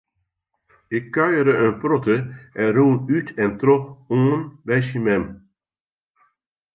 Ik kuiere in protte en rûn út en troch oan by syn mem.